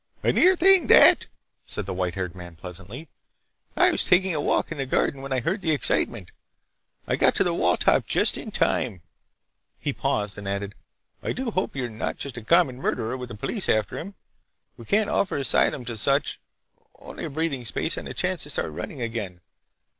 "A near thing, that!" said the white haired man pleasantly. "I was taking a walk in the garden when I heard the excitement. I got to the wall top just in time." He paused, and added, "I do hope you're not just a common murderer with the police after him! We can't offer asylum to such—only a breathing space and a chance to start running again.